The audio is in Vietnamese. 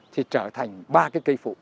thì trở thành ba cái cây phụ